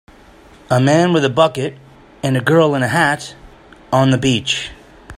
A man with a bucket and a girl in a hat on the beach.